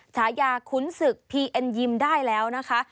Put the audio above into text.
ฉายาขุนศึกพีเอ็นยิมได้แล้วนะคะ